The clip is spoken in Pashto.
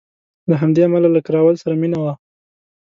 له همدې امله یې له کراول سره مینه وه.